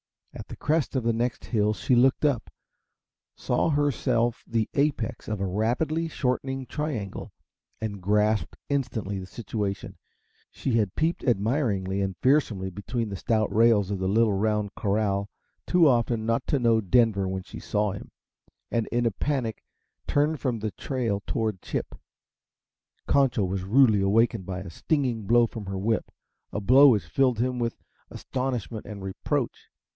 At the crest of the next hill she looked up, saw herself the apex of a rapidly shortening triangle, and grasped instantly the situation; she had peeped admiringly and fearsomely between the stout rails of the little, round corral too often not to know Denver when she saw him, and in a panic turned from the trail toward Chip. Concho was rudely awakened by a stinging blow from her whip a blow which filled him with astonishment and reproach.